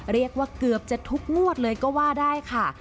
เรียกว่าเกือบจะทุกงวดเลยก็ว่าได้ค่ะ